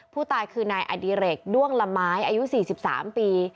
ผู้ตายคือนายอดิเรกด้วงละไม้อายุ๔๓ปี